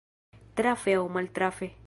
Trafe aŭ maltrafe.